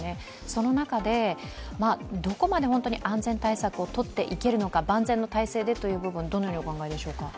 その中で、どこまで本当に安全対策をとっていけるのか、万全の体制でという部分、どのようにお考えでしょうか。